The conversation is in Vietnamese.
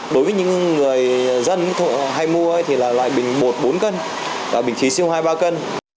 đối với những người dân hay mua thì là loại bình bột bốn cân bình thí siêu hai ba cân